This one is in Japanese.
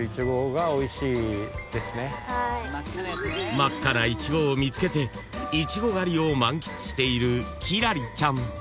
［真っ赤ないちごを見つけていちご狩りを満喫している輝星ちゃん］